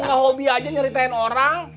gak hobi aja nyeritain orang